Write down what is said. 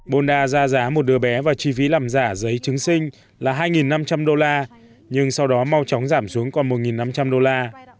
bonda ra giá một đứa bé và chi phí làm giả giấy chứng sinh là hai năm trăm linh đô la nhưng sau đó mau chóng giảm xuống còn một năm trăm linh đô la